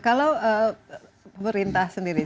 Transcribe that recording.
kalau pemerintah sendiri